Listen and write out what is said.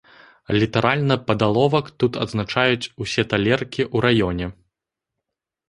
Літаральна пад аловак тут адзначаюць усе талеркі ў раёне!